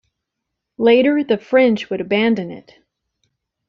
Later the French would abandon it.